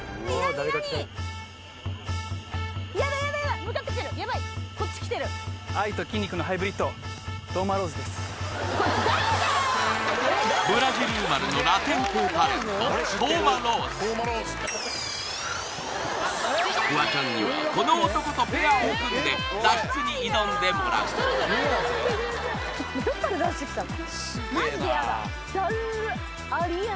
ヤダヤダヤダ向かってきてるヤバいこっち来てるフワちゃんにはこの男とペアを組んで脱出に挑んでもらうどっから出してきたの？